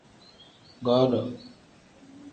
Godo.